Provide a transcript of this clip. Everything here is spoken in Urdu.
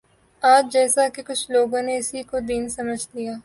آج جیساکہ کچھ لوگوں نے اسی کو دین سمجھ لیا